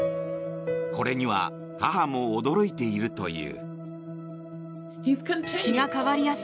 これには母も驚いているという。